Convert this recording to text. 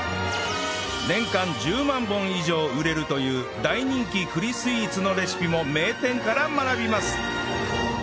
年間１０万本以上売れるという大人気栗スイーツのレシピも名店から学びます